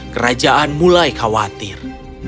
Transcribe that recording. kerajaan mulai khawatir